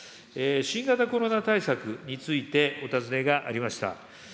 新型コロナ対策についてお尋ねがありました。